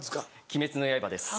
『鬼滅の刃』です。